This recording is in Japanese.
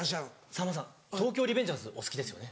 さんまさん『東京リベンジャーズ』お好きですよね。